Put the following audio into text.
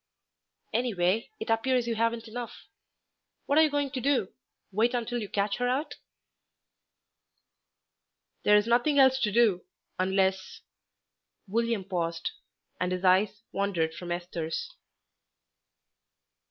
"Anyway, it appears you haven't enough; what are you going to do? Wait until you catch her out?" "There is nothing else to do, unless " William paused, and his eyes wandered from Esther's.